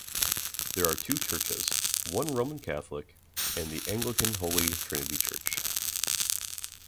There are two churches, one Roman Catholic, and the Anglican Holy Trinity Church.